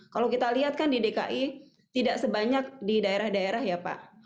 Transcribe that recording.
kalau kita lihat kan di dki tidak sebanyak di daerah daerah ya pak